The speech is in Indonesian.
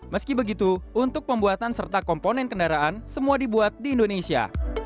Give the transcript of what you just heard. meski begitu untuk pembuatan serta komponen kendaraan semua dibuat di indonesia